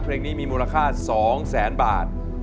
เพลงนี้มีมูลค่า๒แสนบาท